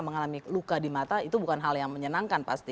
mengalami luka di mata itu bukan hal yang menyenangkan pasti